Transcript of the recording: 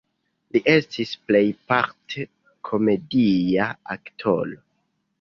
Li estis plejparte komedia aktoro.